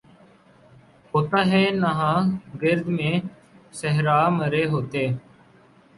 ہوتا ہے نہاں گرد میں صحرا مرے ہوتے